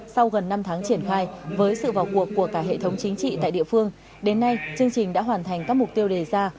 sau gần năm tháng triển khai với sự vào cuộc của cả hệ thống chính trị tại địa phương đến nay chương trình đã hoàn thành các mục tiêu đề ra